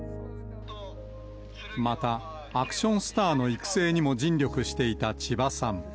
また、アクションスターの育成にも尽力していた千葉さん。